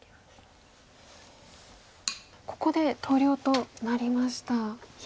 ここで投了となりました。